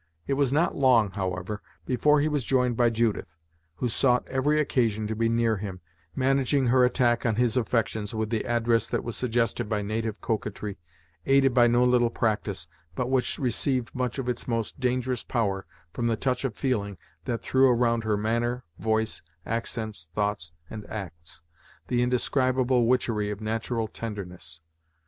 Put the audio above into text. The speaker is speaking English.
It was not long, however, before he was joined by Judith, who sought every occasion to be near him, managing her attack on his affections with the address that was suggested by native coquetry, aided by no little practice, but which received much of its most dangerous power from the touch of feeling that threw around her manner, voice, accents, thoughts, and acts, the indescribable witchery of natural tenderness.